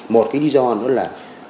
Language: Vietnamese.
một cái lý do nữa là